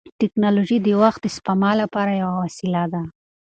ټیکنالوژي د وخت د سپما لپاره یوه وسیله ده.